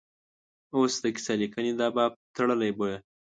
اوس د کیسه لیکنې دا باب تړلی بویه.